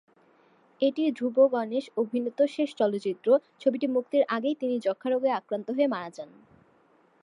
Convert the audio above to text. এটিই ধ্রুব গণেশ অভিনীত শেষ চলচ্চিত্র; ছবিটি মুক্তির আগেই তিনি যক্ষা রোগে আক্রান্ত হয়ে মারা যান।